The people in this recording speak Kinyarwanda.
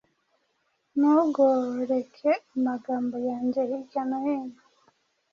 Ntugoreke amagambo yanjye hirya no hino